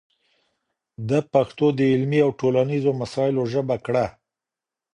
ده پښتو د علمي او ټولنيزو مسايلو ژبه کړه